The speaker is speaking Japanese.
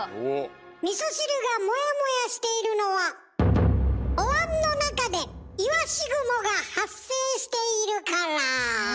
みそ汁がモヤモヤしているのはおわんの中でいわし雲が発生しているから。